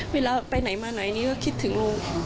เวลาไปไหนมาไหนนี่ก็คิดถึงลุง